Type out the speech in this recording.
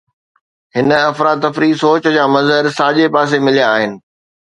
هن افراتفري سوچ جا مظهر ساڄي پاسي مليا آهن